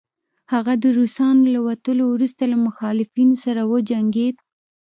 هغه د روسانو له وتلو وروسته له مخالفينو سره وجنګيد